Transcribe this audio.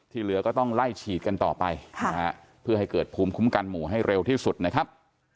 เหลือก็ต้องไล่ฉีดกันต่อไปเพื่อให้เกิดภูมิคุ้มกันหมู่ให้เร็วที่สุดนะครับ